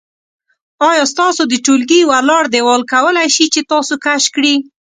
آیا ستاسو د ټولګي ولاړ دیوال کولی شي چې تاسو کش کړي؟